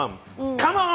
カモン！